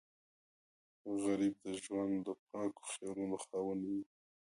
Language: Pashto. غریب د ژوند د پاکو خیالونو خاوند وي